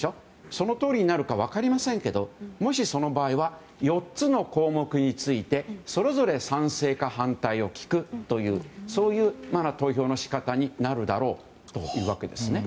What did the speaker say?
そのとおりになるか分かりませんけどもし、その場合は４つの項目についてそれぞれ賛成か反対を聞くという投票の仕方になるだろうというわけです。